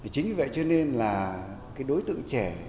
chính vì vậy đối tượng trẻ